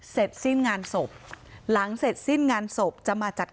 เสร็จสิ้นงานศพหลังเสร็จสิ้นงานศพจะมาจัด